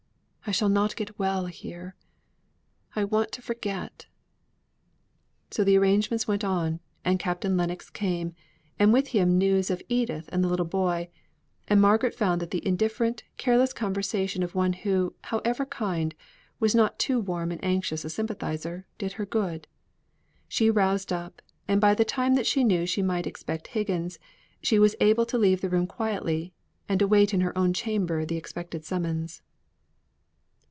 I shall not get well here. I want to forget." So the arrangements went on: and Captain Lennox came, and with him news of Edith and the little boy; and Margaret found that the indifferent, careless conversation of one who, however kind, was not too warm and anxious a sympathiser, did her good. She roused up; and by the time that she knew she might expect Higgins, she was able to leave the room quietly, and await in her own chamber the expected summons.